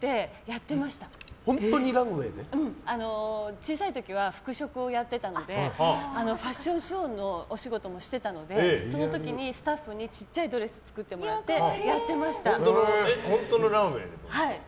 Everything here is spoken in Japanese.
小さい時は服飾をやってたのでファッションショーのお仕事もしていたのでその時にスタッフにちっちゃいドレス作ってもらって本当のランウェーで？